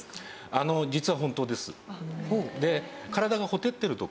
あの実は本当です。